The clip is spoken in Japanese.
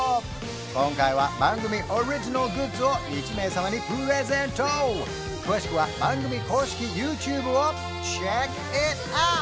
今回は番組オリジナルグッズを１名様にプレゼント詳しくは番組公式ＹｏｕＴｕｂｅをｃｈｅｃｋｉｔｏｕｔ！